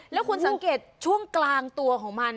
แล้วคุณสังเกตช่วงกลางตัวของมัน